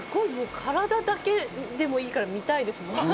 体だけでもいいから見たいですね。